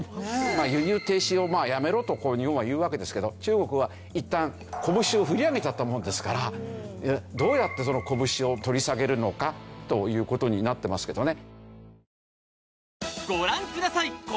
輸入停止をやめろと日本は言うわけですけど中国はいったん拳を振り上げちゃったもんですからどうやってその拳を取り下げるのかという事になってますけどね。